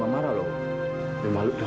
mama baru saja mau ada